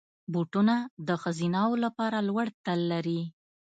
بوټونه د ښځینه وو لپاره لوړ تل لري.